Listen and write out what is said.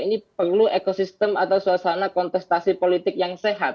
ini perlu ekosistem atau suasana kontestasi politik yang sehat